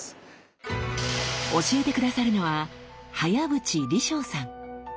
教えて下さるのは早淵鯉將さん。